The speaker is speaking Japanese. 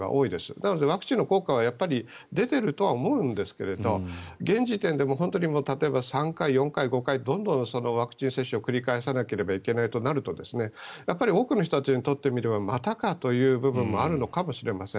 なのでワクチンの効果は出ているとは思うんですが現時点で例えば３回、４回、５回とどんどんワクチン接種を繰り返さなきゃいけないとなると多くの人たちにとってみればまたかという部分もあるのかもしれません。